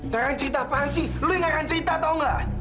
ngarang cerita apaan sih lo yang ngarang cerita tau gak